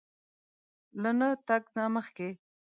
له نه تګ نه مخکې